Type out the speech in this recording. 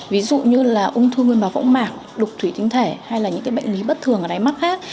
ví dụ như ung thư nguyên bào võng mạc đục thủy tinh thể hay những bệnh lý bất thường ở đáy mắt khác